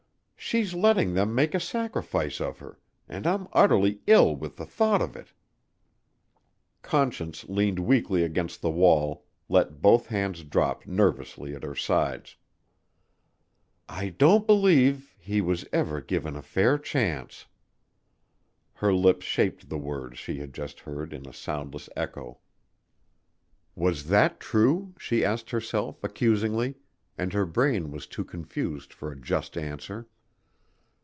"She's letting them make a sacrifice of her and I'm utterly ill with the thought of it." Conscience leaning weakly against the wall, let both hands drop nervelessly at her sides. "I don't believe ... he was ever given a fair chance." Her lips shaped the words she had just heard in a soundless echo. Was that true? she asked herself, accusingly, and her brain was too confused for a just answer.